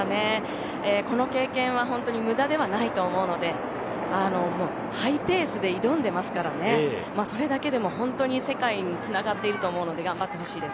この経験は本当に無駄ではないと思うのでもうハイペースで挑んでますからねそれだけでも本当に世界につながっていると思うので頑張ってほしいです。